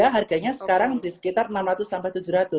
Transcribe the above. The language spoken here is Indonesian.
harganya sekarang di sekitar rp enam ratus sampai tujuh ratus